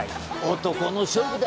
男の勝負だ！